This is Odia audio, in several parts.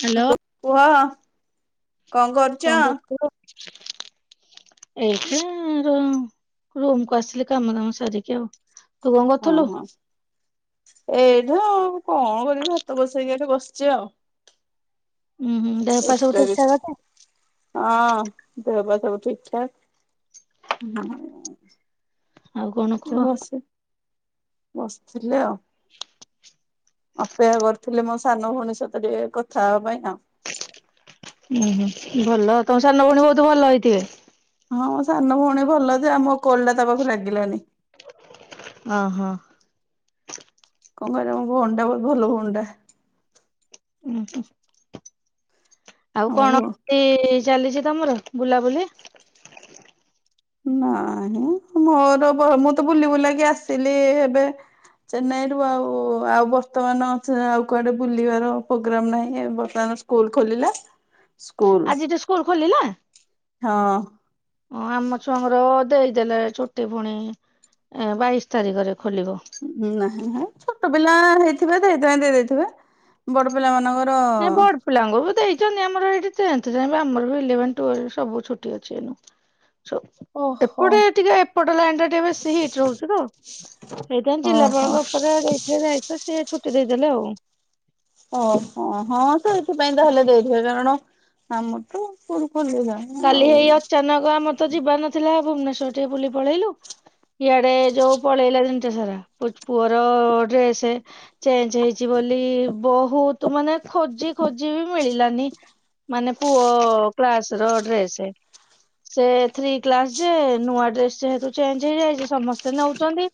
ହ୍ୟାଲୋ ୁ କୁହ କଣ କରୁଛ ଏଇଠ ର ରୁମ କୁ ଆସିଲି କାମ କାମ ସାରିକି ଆଉ ତୁ କଣ ଓ କରୁଥିଲୁ? ହଁ ଏଇଠା କଣ କରିବି ଭାତ ବସ ସେଇ ଏଠି ବସିଛି ଆଉ ହୁଁ ହଁ ଦେହା ପାଶ ଉଠିକଠାକତା ହଁ ଦେହବା ସବୁ ଠିକ ଠାକ ଆଉ କଣ ଏଠି କୁହ ବସି ବସିଥିଲି ଆଉ। ଅପେକ୍ଷା କରିଥିଲେ ମୋ ସାନ ଭଉଣୀ ସହିତ ଟିକେ କଥା ହେବା ପାଇଁନା ଉହୁଁ ଭଲ ତମ ସାନ ଭଉଣୀ ବହୁତ ଭଲ ହେଇଥିବେ? ହଁ ମୋ ସାନ ଭଉଣୀ ଭଲ ଯେ ଆମୋ କଲ୍ ଟା ତା ପାଖକୁ ଲାଗିଲାନି। ଅ ହୋ କଣ କରିବା ମୋ ଭଉଣୀ ଟା ବହୁତ ଭଲ ଭଉଣୀ ଟା ଊଂହୁଁ ଆଉ ଆମ କଣ ଭଉଣୀ। [unintelligible] ଚାଲିଛି ତମର ବୁଲାବୁଲି? ନାଇଁ ମୋର ମୁଁ ତ ବୁଲି ବୁଲାକି ଆସିଲି ଏବେ ଚେନ୍ନାଇରୁୁ ଆଉ ଆଉ ବର୍ତମାନ ଆଉ କୁଆଡେ ବୁଲିବାର ପ୍ରୋଗ୍ରାମ ନାହିଁ ବର୍ତମାନ ସ୍କୁଲ ଖୋଲିଲା। ସ୍କୁଲ ଆଜିଠୁ ସ୍କୁଲ ଖୋଲିଲା? ହଁ ଓ ଆମ ଛୁଆଙ୍କର ଦେଇଦେଲେ ଛୁଟି ପୁଣି ଏ ବାଇଶି ତାରିଖରେ ଖୋଲିବ। ହୁଁ ନାହିଁ ଛୋଟ ପିଲା ହେଇଥିବେ ସେଇଥୀପାଇଁ ଦେଇଦେଇଥିବେ ଥିବେ ବଡ ପିଲାମାନଙ୍କର ନାଇଁ ବଡ ପିଲାଙ୍ଗୁ ଦେଇ [unintelligible] ନାଇ ଆମର ଏଠି ଟେଂଥ ଯାଇ ବା ଆମର ଇଲେଭେନ୍ତଃ ଟ୍ୱେଲବ ସବୁ ଛୁଟି ଅଛି ଏଇନା। ଓହୋ ଏପଟେ ଟିକେ ଏପଟ ଲାଇନ ଟା ଟିକେ ବେଶୀ ହିଟ୍ ରହୁଛି ତ ସେଇଥି ପାଇଁ ଓହୋ ଜିଲ୍ଲାପାଳଙ୍କ ଉପରେ ଯ ଯାଇ ଦାୟିତ୍ୱ ସିଏ ଛୁଟି ଦେଇଦେଲେ ଆଉ। ଓହୋ ହଁ ତ ଏଇଥିପାଇଁ ତା ହେଲେ ଦେଇଥିବ କାରଣ ଆମ ତ ସ୍କୁଲ ଖୋଲି ଯାଏ କାଲି ଆଉ ହେଇ ଅଚାନକ ଆମର ତ ଯିବାର ନଥିଲା ଭୁବନେଶ୍ଵର ଟିକେ ବୁଲି ପଳେଇଲୁ ଇଆଡ଼େ ଯୋଉ ପଳେଇଲା ଦିନଟା ସାରା ପୁଅର ଡ୍ରେସେ ଚେଞ୍ଜେ ହେଇଛି ବୋଲି ବହୁତ ମାନେ ଖୋଜି ଖୋଜି ବି ମିଳିଲାନି ମାନେ ପୁଅ କ୍ଲାସ ର ଡ୍ରେସେ ସେ ଥ୍ରୀ କ୍ଲାସ ଯେ ନୂଆ ଡ୍ରେସ୍ ଯେହେତୁ ଚେଞ୍ଜ ହେଇଯାଇଛି ସମସ୍ତେ ନେଉଛନ୍ତି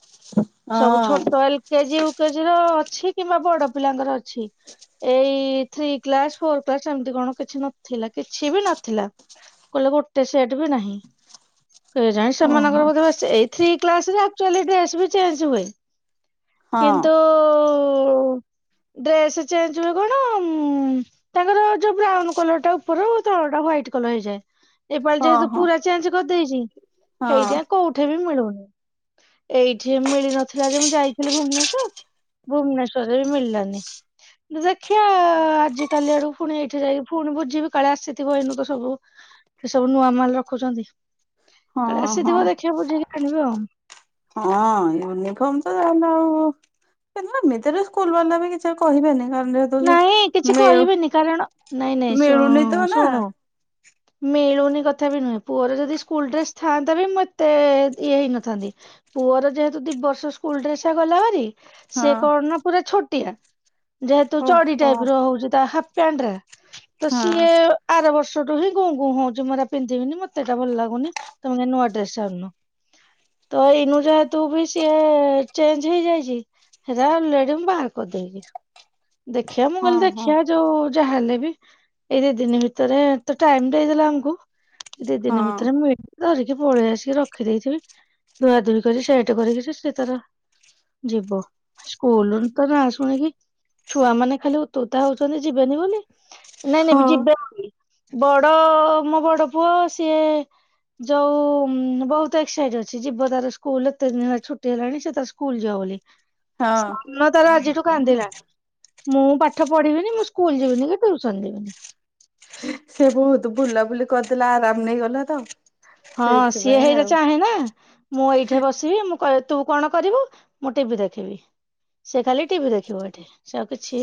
ସବୁ ହଁ ଛୋଟ L K G K G ର ଅଛି କିମ୍ବା ବଡ ପିଲାଙ୍କର ଅଛି ଏଇ ଥ୍ରୀ କ୍ଲାସ ଫୋର କ୍ଲାସ ଏମତି କଣ କିଛି ନଥିଲା କିଛି ବି ନଥିଲା କହିଲେ ଗୋଟେ ସେଟ ବି ନାହିଁ କେଜାଣି ସେମାନଙ୍କର ଓହୋ ବୋଧେ ଏ ଥ୍ରୀ କ୍ଲାସରେ ଆକଚୁଆଲି ଡ୍ରେସ ବି ଚେଞ୍ଜ ହୁଏ। କିନ୍ତୁ [unintelligible] ଡ୍ରେସ୍ ଚେଞ୍ଜ ହୁଏ କଣ ତାଙ୍କର ଯୋଉ ବ୍ରାଉନ କଲର ଟା ଉପର ତଳ ଟା ହ୍ଵାଇଟ୍ କଲର ହୋଇଯାଏ। ଏପାଳି ହଁ ଯେହେତୁ ହଁ ହଁ ପୁରା ଚେଞ୍ଜ କରିଦେଇଛି ହେଇଥି ପାଇଁ କୋଉଠି ବି ମିଳୁନି ଏଇଠି ମିଳି ନ ଥିଲା ଯେ ମୁଁ ଯାଇଥିଲି ଭୁବନେଶ୍ୱର ଭୁବନେଶ୍ଵରରେ ବି ମିଳିଲାନି ଦେଖିଆ ଆଜିିକାଲି ଆଡୁ ପୁଣି ଏଇଠି ଯାଇକି ପୁଣି ବୁଝିବି କାଳେ ଆସିଥିବ ଏନୁ ତ ସବୁ ଏ ସବୁ ନୂଆ ମାଲ ରଖୁଛନ୍ତି ହଁ କାଳେ ହଁ ଆସିଥିବ ଦେଖିବା ବୁଝିକି ଆଣିବି ଆଉ ହଁ ୟୁନିଫର୍ମ ତ [unintelligible] ଆଉ ଏମିତିରେ ସ୍କୁଲ ବାଲା ବି କିଛି ଆଉ କହିବେନି। କାରଣ ଯେହେତୁ ଯୋଉ ନାଇଁ କିଛି ମିଳୁ କହିବେନି କାରଣ ନାଇଁ ନାଇଁ ଶୁ ମିଳୁନି ତ ନା ଶୁଣୁ ମିଳୁନି କଥା ବି ନୁହେଁ ପୁଅର ଯଦି ସ୍କୁଲ ଡ୍ରେସ ଥାଆନ୍ତା ବି ମୁଁ ଏତେ ଇଏ ହେଇନଥାନ୍ତି ପୁଅର ଯେହେତୁ ଦି ବର୍ଷ ସ୍କୁଲ ଡ୍ରେସ ଗଲା ଭାରୀ ହଁ ସେ କଣ ନା ପୁରା ଛୋଟ [inaudible] ଯ ତ ଚଡି ଓହୋ ଟାଇପ ର ହଉଛି ତା ପେଣ୍ଡରେ ତ ହଁ ସିଏ ଆର ବର୍ଷ ୁ ହଁ ଗୁଁ ଗୁଁ ହଉଛି ମୁଁ ଏରା ପିନ୍ଧିବିନି ମତେଟା ଭଲ ଲାଗୁନି ତମେ ନୂଆ ଡ୍ରେସ ଆଣନ ତ ଏଇନୁ ଯେହେତୁ ବି ସିଏ ଚେଞ୍ଜ ହେଇଯାଇଛି ସେଟା [inaudible] ମୁଁ ବାହାର କରିଦେଇଛିି ଦେଖିଆ ମୁଁ ହଁ କହିଲି ହଁ ଦେଖିଆ ଯୋଉ ଯାହା ହେଲେ ବି ଏଇ ଦି ଦିନ ଭିତରେ ତ ଟାଇମ ଦେଇଦେଲା ଆମକୁ ଦି ଦିନ ହଁ ଭିତରେ ମୁଁ ଧରିକି ପଳେଇ ଆସିକି ରଖି ଦେଇଥିବି ଧୁଆଧୁଇ କରି ସେଟ କରିକି ସେ ସେ ତାର ଯିବ ସ୍କୁଲ ତ ନାଁ ଶୁଣିକି ଛୁଆ ମାନେ ଖାଲି ତୋତା ହଉଛନ୍ତି ଯିବେନି ବୋଲି ନାଇଁ ନାଇଁ ହଁ ଯିବ ବଡ ମୋ ବଡ ପୁଅ ସିଏ ଯଉ ବହୁତ ଏକ୍ସାଇଟେଡ ଅଛି ଯିବ ତାର ସ୍କୁଲ ଏତେ ଦିନ ଛୁଟି ହେଲାଣି ସେ ତାର ସ୍କୁଲ ଯିବ ବୋଲି ହଁ ସ୍ମ୍ନ ତାର ଆଜିଠୁ କାନ୍ଦିଲାଣି ମୁଁ ପାଠ ପଢିବିନି ମୁଁ ସ୍କୁଲ ଯିବିନି କି ଟସନ ଯିବିନି ସେ ବହୁତ ବୁଲାବୁଲି କରିଦେଲା ଆରାମ ନେଇଗଲା ତ ହଁ ସିଏ ସେଇଥିପାଇଁ ହେଇତ ଚାହେଁ ନା ମୁଁ ଏଇଠି ବସିବି ମୁଁ ତୁ କଣ କରିବୁ ମୁଁ ଟିଭି ଦେଖିବି ସେ ଖାଲି ଟିଭି ଦେଖିବୁ ଏଠି ସେ ଆଉ କିଛି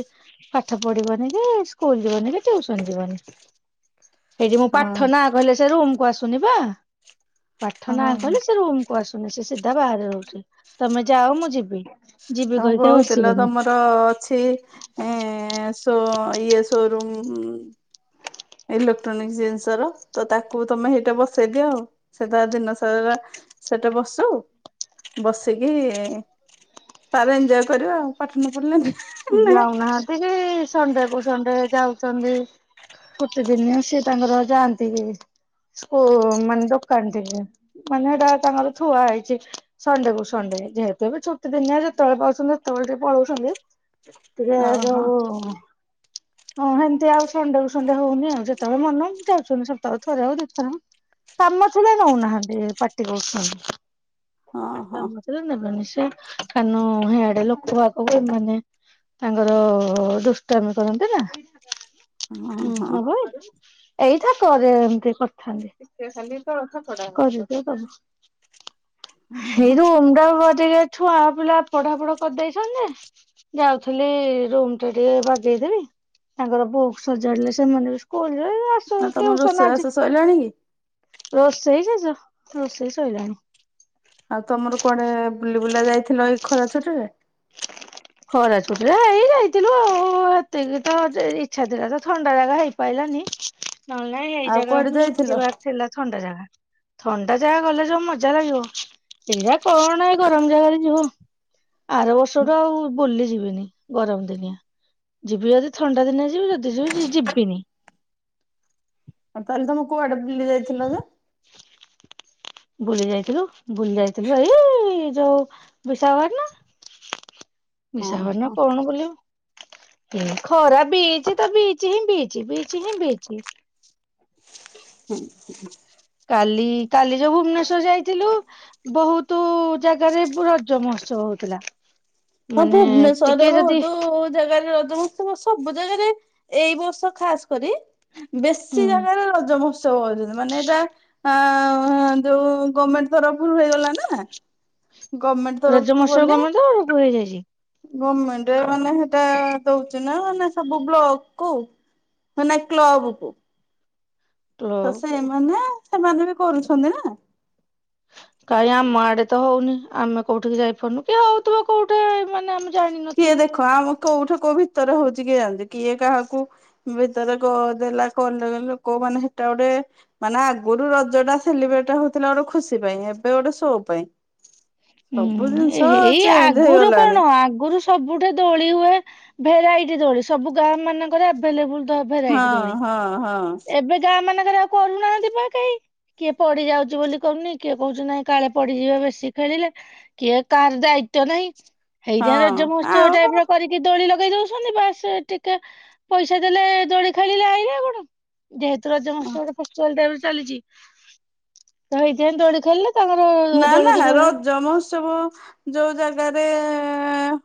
ପାଠ ପଢିବନି କି ସ୍କୁଲ ଯିବନି କିୁସନ ଯିବନି ସେଇଠି ମୁଁ ଆଉ ପାଠ ନା କହିଲ ସେ ରୁମକୁ ଆସଛି ଶୁଣିବା ହଁ ପାଠନା ହଁ କଲେ ସେ ରୁମକୁୁ ଆସୁ ସେ ସିଧା ବାହାରେ ହଉଛି ତମେ ଯାଅ ମୁଁ ଯିବି ଯିବି ତମ କହିକି ଆଉ କହୁଥିଲ ଆସିବନି ତମର ଅଛି ଏ ସୋ ଇଏ ଶୋ ରମ୍ ଇଲେକ୍ଟ୍ରୋନିକ୍ ଜିନିଷର ତ ତାକୁ ତମେ ସେଇଟା ବସେଇଦିଅ ଆଉ ସେଟା ଦିନ ସାରା ସେଟା ବସୁ ବସିକି ତାର ଏଞ୍ଜୟ କରିବା ଆଉ ପାଠନ ପଢିଲେନି ଯାଉନାହାନ୍ତି ସେ ସଣ୍ଡେ କୁ ସଣ୍ଡେ ଯାଉଛନ୍ତି ଛୁଟି ଦିନିଆ ସିଏ ତାଙ୍କର ଯାଆନ୍ତି କି ସ୍କୁଲ ମାନେ ଦୋକାନ ଟିକେ ମାନେ ସେଟା ତାଙ୍କର ଛୁଆ ହେଇଛି ସଣ୍ଡେ କୁ ସଣ୍ଡେ ଯେହେତୁ ଏ ଛୁଟି ଦିନିଆ ଯେତେବେଳେ ପାଉଛନ୍ତି ସେତେବେଳେ ଟିକେ ପଳଉଛନ୍ତି ତବେ ଓହୋ। ହଁ ସେମିତି ଆଉ ସଣ୍ଡେକୁୁ ସଣ୍ଡେ ହଉନି ଆଉ ଯେତେବେଳେ ମନ ଯାଉଛନ୍ତି ସପ୍ତାହ ବଳେ ଥରେ ଆଉ ଦେଥର କାମ ଥିଲା ନଉନାହାନ୍ତି ପାଟି କରଛନ୍ତି ହଁ ହଁ କାମଛ ନେବେ ନିଶ୍ଚ କାନ ସେଆଡେ ଲୋକ ଆଗକୁ ଏମାନୋନେ ତାଙ୍କର ଦୁଷ୍ଟର୍ମ କରନ୍ତି ସେ ହଁ ହଁ ହୁଁ ନଗଏ ଏଇଟା ତରେ ଏମତି କରିଥାନ୍ତି ଏଇ ହଁ ରୁ ଓମଟା ବଟ ଛୁଆ ପିଲା ପଢାପଢା କରିଦେଇଛନ୍ତି ଯାଉଥିଲି ରୁମ ଟା ଟିକେ ବାଜେଇଦେବି ତାଙ୍କର ବୋଉ ସଜାଡିଲେ ସେମାନେ ବି ସ୍କୁଲ ଆଉ ତମର ଆସଉସନ୍ ଆଜି ରୋଷେଇବାସ ସରିଲାଣି କି? ର ସେଇ ଯଜ ରୋଷେଇ ଶୋଇଲାଣି ଆଉ ତମର କୁଆଡେ ବୁଲି ବୁଲା ଯାଇଥିଲ ଏଇ ଖରା ଛୁଟିରେ? ଖରାଜ କଟରେ ହେଇ ଯାଇଥିଲୁ ଆଉ ଏତିକି ତ ଇଚଛା ଥିଲା ତ ଥଣ୍ଡା ଜାଗା ହେଇପାରିଲାନି ନହେଲେ ନାାଇଁ ଏଇ ଆଉ ଜାଗା କୁଆଡେ ହିଁ ଯାଇଥିଲ ଯିବାର ଥିଲା ଥଣ୍ଡା ଜାଗା ଥଣ୍ଡା ଜାଗା ଗଲେ ଯୋଉ ମଜା ଲାଗିବ ସେଟା କ ନା ଗରମ ଜାଗାରେ ଯିବ ଆର ା ଆଉ ବୁଲିଯିବ ଗରମ ଦିନିଆ ଯିବି ଯଦି ଥଣ୍ଡା ଦିନିଆ ଯିବି ଯଦି ଯିବି ଯିବିନି ଆଉ ତାହେଲେ ତମକୁ କୁଆଡେ ବଲି ଯାଇଥିଲ ତ ବୁଲି ଯାଇଥିଲୁ ବୁଲି ଯାଇଥିଲୁ ଏଇ ଯୋଉ ବିଶାଘଟ ନା ହଁ ବିଶାକପଟଣ ନା ହଁ କଣ ବୁଲିବ ଖରା ବିଚ୍ ତ ବିଚ୍ ହିଁ ବିଚ୍ ହିଁ ବିଚ୍ ତ ହୁଁ ହ କାଲି କାଲି ଯୋଉ ଭୁବନେଶ୍ଵର ଯାଇଥିଲୁ ବହୁତ ଜାଗାରେ ରଜ ମହୋତ୍ସବ ହଉଥିଲା ହଁ ମାନେ ଟିକେ ଭୁବନେଶ୍ଵରରେ ଯଦି ବହୁତ ଜାଗାରେ ର ସମସ୍ତେ ସବୁ ଜାଗାରେ ଏଇ ବର୍ଷ ଖାସ କରି ବେଶୀ ହୁଁ ଜାଗାରେ ରଜ ମହୋତ୍ସବ ହଉଛନ୍ତି ମାନେ ଏଇଟା ଆ ଯୋଉ ଗଭମେଣ୍ଟ ତରଫରୁ ହେଇଗଲା ନା ଗଭର୍ଣମେଣ୍ଟ ରଜ ମହୋତ୍ସବ ତ [unintelligible] ହେଇଯାଇଛି ଗମେଣ୍ଟରେ ମାନେ ସେଟା ଦଉଛି ନା ମେ ସବୁ ବ୍ଲକ୍ କୁ ମାନେ କ୍ଲୋବ କୁ ତ ସେ ଏମାନେ ସେମାନେ ବି କରୁଛନ୍ତି ନା ଭାଇ ଆମ ଆଡେ ତ ହଉନି ଆମେ କୋଉଠିକି ଯାଇପାରୁନୁ କି ହଉଥିବ କୋଉଠି ମାନେ ଆମେ କିଏ ଜାଣିନଥିବୁ। ଦେଖ ଆମ କୋଉଠୁ କ ଭିତ ଭିତରେ ହଉଛି କିଏ ଜା କିଏ କାହାକୁ ଭିତରେ ଦେଲା କ ଲୋକ ମାନେ ସେଟା ଗୋଟେ ମାନେ ଆଗରୁ ରଜ ଟା ସେଲିବ୍ରେଟ ହଉଥିଲା ଗୋଟେ ଖୁସି ପାଇଁ ଏବେ ଗୋଟେ ସୋ ପାଇଁ ସବୁ ହୁଁ ଜିନିଷ ଏଇ ଚେଞ୍ଜ ଆଗରୁ ହେଇଗଲାଣି କଣ ଆଗରୁ ସବୁଠେ ଦୋଳି ହୁଏ ଭେରାଇଟି ଦୋଳି ସବୁ ଗାଁ ମାନଙ୍କରେ ଆଭେଲେବୁଲ ହଁ ଭେରାଇଟି ଦୋଳି ହଁ ହଁ ଏବେ ଗାଁ ମାନେ ଆଉ କରୁନା [unintelligible] ପଡି ଯାଉଛି ବୋଲି କରୁନି କିଏ କହୁଛି ନାଇଁ କାଳେ ପଡିଯିବ ବେଶୀ ଖେଳିଲେ କିଏ କାହାର ଦାୟିତ୍ବ ନାହିଁ ଏଇଟା ରଜ ହଁ ମହୋତ୍ସବ ଟାଇପ ର ଆଉ କରିକି ଦୋଳିି ଲଗା ପଗେଇ ଦଉଛନ୍ତି ବାସ ଟିକେ ପଇସା ଦେଲେ ଦୋଡି ଖେଳିଲେ ଆଇିଲେ କଣ ଯେହେତୁ ରଜ ମହୋତ୍ସବ [unintelligible] ଚାଲିଛି ତ ହେଇଥା ଦୋଡି ଖେଳିଲେ ତାଙ୍କର ଦଳକୁ ଦୋଳେ ଯମୋତ୍ସବ ଯୋଉ ଜାଗାରେ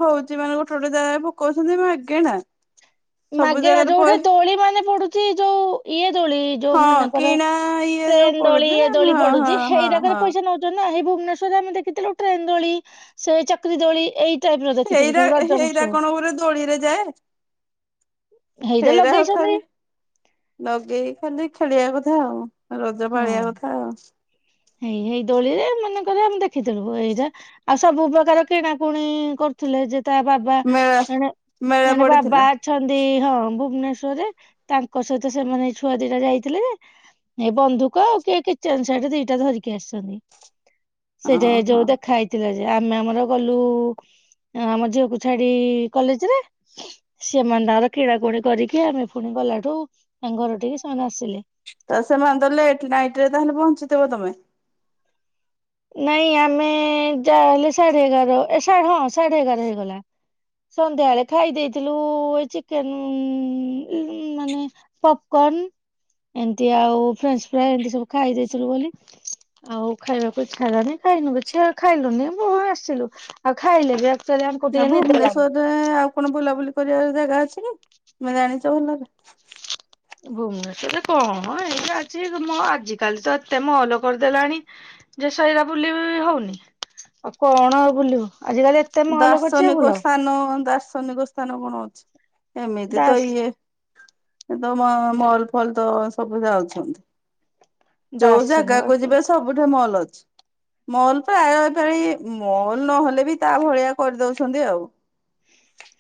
ହଉଛି ମାନେ ଗୋଟେ ଗୋଟେ ଜାଗା ପକଉଛନ୍ତି ଆଗଞ ନା ମାଗେ ଯୋଉଠା ତୋଳି ମାନେ ପଡୁ ଯଉ ଇଏ ଦୋଳି ଯୋଉ ହଁ ମାନଙ୍କର କିଣା ଇଏ ଯୋଉ ଟ୍ରେନ୍ ଦୋଳି ପଡୁଛି ଏ ଦୋଳି ହଁ ହଁ ପଡୁଛି ହଁ ଏଇଟାକରେ ହଁ। ପଇସା ନଉଛନ୍ତି ଭୁନେଶ୍ବରରେ ଆମେ ଦେଖିଥିଲୁ ଟ୍ରେନ ଦୋଳି ସେ ଚକ୍ରି ଦୋଳି ଏଇ ଟାଇପ ର ଦେଖିଥିଲୁ ଏଇଟା ସବୁ ରଜ ହେଇଟା ମହୋତ୍ସବ କଣ ଉପରେ ଦୋଳିରେ ଯାଏ ହେଇଟା ଫେର ଆଉ ଲଗେଇଛନ୍ତି ଖରେ ଲଗେଇ ଖାଲି ଖେଳିବା କଥା ଆଉ ରଜ ହଁ ପାଳିଆ କଥା ଆଉ ହେଇ ହେଇ ଦୋଳିରେ ମନେକର ଆମେ ଦେଖିଥିଲୁୁ ଏଇଟା ଆଉ ସବୁ ପ୍ରକାର କିଣାକୁଣି କରୁଥିଲେ ଯେ ତା ବାବା ମେଳା ଜଣେ ମେଳା ଜଣେ ବାବା ପଡିଥିଲା ଅଛନ୍ତି ହଁ ଭୁବନେଶ୍ଵରରେ ତାଙ୍କ ସହିତ ସେମାନେ ଛୁଆ ଦିଟା ଯାଇଥିଲେ ଯେ [unintelligible] ବନ୍ଧୁକ ଆଉ କିଏ କିଚେନ୍ ସେଟ୍ ଦିଟା ଧରିକି ଆସିଛନ୍ତି ସେଯାଏ ଓହୋ ଯୋଉ ଦେଖା ହେଇଥିଲା ଆମେ ଆମର ଗଲୁ ଆମ ଝିଅକୁ ଛାଡି କଲେଜ ରେ ସେମାନେ ତାଙ୍କର କିଣା କୁଣି କରିକି ଆମେ ଫୁଣି ଗଲାଠୁ ତାଙ୍କ ଘର ଠିକି ସେମାନେ ଆସିଲେ ତ ସେମାନେ ତ ଲେଟ ନାଇଟ୍ ରେ ତାହେଲେ ପହଞ୍ଚିଥବ ତମେ ନାଇଁ ଆମେ ଯାହେଲେ ସାଢେ ଏଗାର ଏ ହଁ ସାଢେ ଏଗାର ହେଇଗଲା ସନ୍ଧ୍ୟାବେଳେ ଖାଇ ଦେଇଥିଲୁ ଏ ଚିକେନ୍ ମାନେ ପପକନ୍ ଏମତି ଆଉ ଫ୍ରେଞ୍ଚ ଫ୍ରାଏ ଏମତି ସବୁ ଖାଇ ଦେଇଥିଲୁ ବୋଲି ଆଉ ଖାଇବାକୁ ଇଚ୍ଛା ହେଲାନି ଖାଇନୁ କିଛି ଆଉ ଖାଇଲୁନି ମୁଁ ଆସିଲୁ ଆଉ ଖାଇଲେ ବି ଆକ୍ଚୁଆଲି ଆମକୁ ନା ଟିକେ ନିଦ ଲାଗେ। ଭୁବନେଶ୍ୱର୍ ରେ ଆଉ କଣ ବୁଲାବୁଲି [unintelligible] ଜାଗା ଅଛି କି ମୁଁ ଜାଣିଛ ଭଲରେ ଭୁବନେଶ୍ଵରରେ କଣ ଏୟା ଅଛି ମ ଆଜିକାଲି ତ ଏତେ ମଲ୍ କରିଦେଲାଣି ଯେ ସେଇରା ବୁଲି ହଉନି କଣ ଆଉ ବୁଲିବୁ ଆଜିକାଲି ଏତେ ମଲ କରିଛି ଆଉ ବୁଲ ଦାର୍ଶନିକ ସ୍ଥାନ ଦାର୍ଶନିକ ସ୍ଥାନ କଣ ଅଛି ଏମିତି ତ ଦାସ ଇଏ ଏ ତ ମ ମଲ୍ ଫଲ୍ ତ ସବୁ ଯାଉଛନ୍ତି ଯୋଉ ଜାଗାକୁ ଦାର୍ଶନିକ ଯିବେ ସବୁଠେ ମଲ୍ ମଲ୍ ପ୍ରାୟ [unintelligible] ମଲ୍ ନହେଲେ ବି ତା ଭଳିଆ କରିଦଉଛନ୍ତି ଆଉ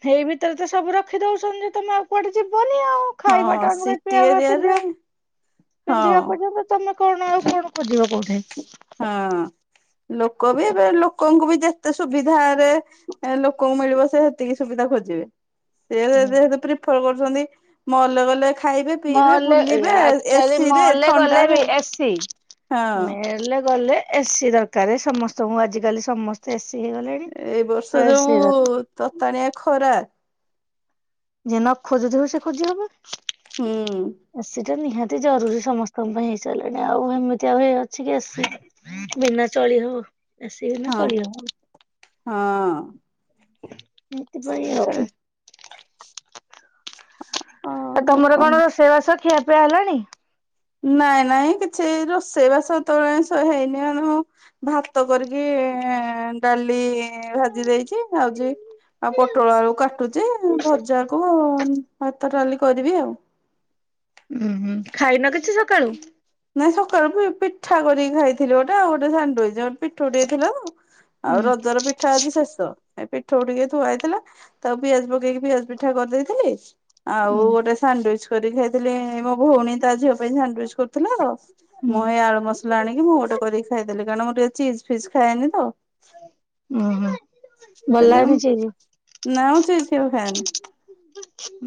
ହେଇ ଭିତରେ ତ ସବୁ ରଖି ଦଉସନ୍ତି ତମେ ଆଉ କୁଆଡେ ଯିବନି ଆଉ ଖାଇବା ହଁ ଟା [unintelligible] ସିଟି ଏରିଆରେ ପିନ୍ଧିବା ହଁ ପିନ୍ଧିବା ପର୍ଯ୍ୟନ୍ତ ତମେ କଣ ନା ଆଉ କଣ ଖୋଜିବ କୋଉଠେ ହଁ ଲୋକ ବି ଏବେ ଲୋକଙ୍କୁ ବି ଯେତେ ସୁବିଧାରେ ଲୋକଙ୍କୁ ମିଳିବ ସେ ହେତିକି ସୁବିଧା ଖୋଜିବେ ସେ ଯେହେତୁ ପ୍ରିଫର [unintelligible] [unintelligible] ମଲ ଗଲେ ଖାଇବେ ପିଇବେ ମଲେ ବୁଲିବେ ଆଚାରୀ ଏସିି ରେ ମଲେ ଗଲେ ଥଣ୍ଡାରେ ବି ଏସି ହଁ। ମେଲେ ଗଲେ ଏସିି ଦରକାରେ ସମସ୍ତଙ୍କୁ ଆଜିକାଲି ସମସ୍ତେ ଏସି ହେଇଗଲେଣି। ଏଇ ତ ବର୍ଷ ଯୋଉଁ ତତାଣିଆ ଖ ଖରା ଯେ ନ ଖୋଜୁଥିବ ସେ ଖୋଜି ହବନି ହୁଁ ଏଇଟା ନିହାତି ଜରୁରୀ ସମସ୍ତଙ୍କ ପାଇଁ ହେଇସାରିଲାଣି ଆଉ ଏମିତି ଆଉ ହେଇ ଅଛି କି ଏ ସି ବିନା [unintelligible] ତଳି ହବ ରସେଇ ବିନା ହଁ [unintelligible] ହଁ ସେଥିପାଇଁ ସେ ଆଉ [inaudible] ଆଉ ତମର ଲୋକ କଣ ରୋଷେଇ ବାସ ଖିଆ ପିଆ ହେଲାଣି ନାଇଁ ନାଇଁ କିଛି ରୋଷେଇ ବାସତେବେଳେ ହେଇନି ଆଣୁ ଭାତ କରିକି ଡାଲି ଭାଜି ଦେଇଛି ଆଉଛି ଆଉ ପୋଟଳ ଆକୁ କାଟୁଛି ଭଜା କୁ ହାତ ଟଡାଲି କରିବି ଆଉ ହୁଁ ଖାଇନ କିଛି ସକାଳୁ ନାଇଁ ସକାଳୁ ପିଠା କରିକି ଖାଇଥିଲି ଗୋଟେ ଆଉ ଗୋଟେ ସାଣ୍ଡୁଇ ପିଠା ଉଠେଇଥିଲା ଆଉ ହୁଁ ରଜର ପିଠା ଆଜି ଶେଷ ଏ ପିଠା ଉଠିକି ଧୁଆଇଥିଲା ତାକୁ ପିଆଜ ପକେଇକି ପିଆଜ ପିଠା କରିଦେଇଥିଲି ଆଉ ହୁଁ ଗୋଟ ସାଣ୍ଡ କରି ଖାଇଥିଲି ଏ ମୋ ଭଉଣୀ ତା ଝିଅ ପାଇଁ ଷଣ୍ଡୁଏଜ କରୁଥିଲି। ମୁଁ ହୁଁ ଏଇ ଆଳୁ ମସଲା ଆଣିକି ମୁଁ ଗୋଟେ କରିକି ଖାଇଦେଲି କାରଣ ମୁଁର ଟିକେ ଚିଜ ଫିଜ ଖାଏନି ତ ବଲି ସେରି- ନାଁଉଛି କେଉ ଫନ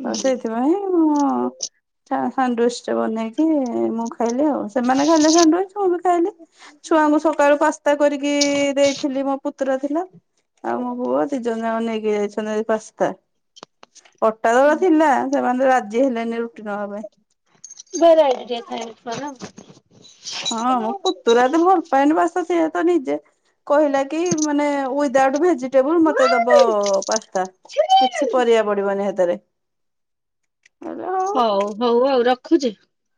ତ ସେଇଥିପାଇଁ ସନ୍ତୁଷ୍ଟ ବନେଇକି ମୁଁ ଖାଇ ଆଉ ସେମାନେ ଖାଇଲେ ସାଣ୍ଡଚ ମୁଁ ବି ଖାଇଲି ଛୁଆଙ୍କୁ ସକାଳୁ ପାସ୍ତା କରିକି ଦେଇଥିଲି ମୋ ପୁତ୍ରା ଥିଲା ଆଉ ମୋ ପୁଅ ଦି ଜଣ ଯ ନେଇକ ଯାଇଛନ୍ତି ପାସ୍ତା ପଟା ତଳ ଥିଲା ସେମାନେ ରାଜି ହେଲେନି ରୁଟି ନବା ପାଇଁ ଭେରାଇଟି ଟିକେ ଖାଇବାକୁ କର। ହଁ ମୁ ପୁତୁରା ତ ଭଲ ପାଏନି, ବସ ସେ ନିଜେ କହିଲା କି ମାନେ ଦାଉଟ ଭେଜିଟେବୁଲ ମତେ ଦବ ପାସ୍ତା କିଛି ପରିବା ପଡିବ ନିହାରେ ହଉ ହଉ ହଉ ରଖୁଛି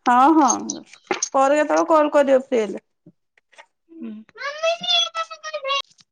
ହଁ ହଁ ପରେ କେତେବେଳେ କର କରିବ ଫ୍ରୀ ହେଲେ। ହୁଁ